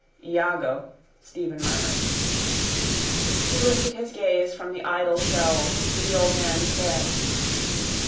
_ —Iago, Stephen murmured. He lifted his gaze from the idle shells to the old man's stare.